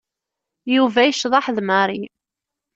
Yuba yecḍeḥ d Mary.